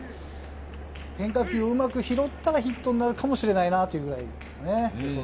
変化球をうまく拾ったらヒットになるかもしれないなという予想ですね。